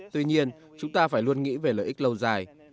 tuy nhiên chúng ta phải luôn nghĩ về lợi ích lâu dài